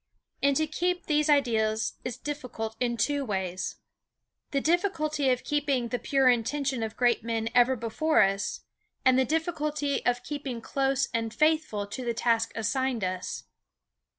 And to keep these ideals is difficult in two ways: The difficulty of keeping the pure intention of great men ever before us, and the difficulty of keeping close and faithful to the tasks assigned us.